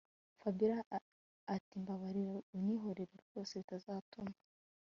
Fabiora atimbabarira ubyihorere rwose bitazatuma